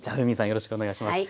よろしくお願いします。